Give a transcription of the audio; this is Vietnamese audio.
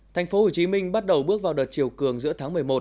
thành phố hồ chí minh bắt đầu bước vào đợt chiều cường giữa tháng một mươi một